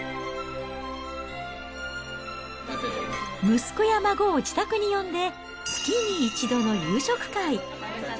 息子や孫を自宅に呼んで、月に一度の夕食会。